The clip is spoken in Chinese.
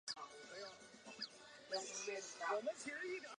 杨氏瘿蚜为绵瘿蚜科榆瘿蚜属下的一个种。